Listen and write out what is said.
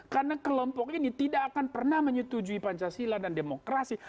karena kelompok ini tidak akan pernah menyetujui pancasila dan demokrasi